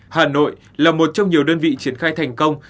hà nội là một trong nhiều đơn vị triển khai thành công